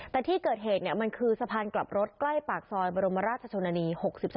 แต่ที่เกิดเหตุมันคือสะพานกลับรถใกล้ปากซอยบรมราชชนนานี๖๒